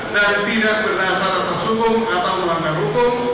dan tidak berdasarkan suhu atau warga hukum